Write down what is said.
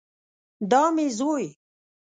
دا مې زوی